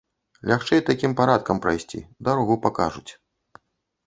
Лягчэй такім парадкам прайсці, дарогу пакажуць.